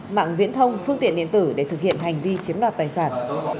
mạng viễn thông phương tiện điện tử để thực hiện hành vi chiếm đoạt tài sản